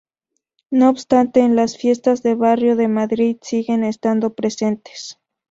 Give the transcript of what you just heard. No obstante, en las fiestas de barrio de Madrid siguen estando presentes.